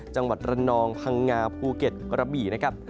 จังหวัดระนองพังงาภูเก็ตกระบี่